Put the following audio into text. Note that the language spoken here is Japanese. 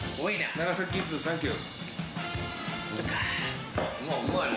長崎キッズ、サンキュー。